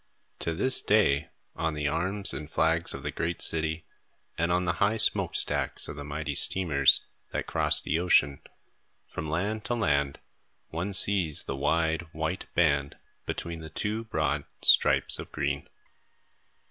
To this day, on the arms and flags of the great city, and on the high smoke stacks of the mighty steamers that cross the ocean, from land to land, one sees the wide, white band between the two broad stripes of green.